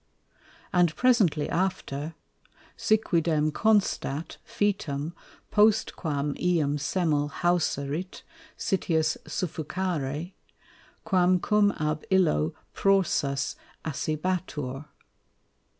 _ And presently after, _Siquidem constat, fœtum, postquam eum semel hauserit, citius suffocari; quam cum ab illo prorsus accebatur.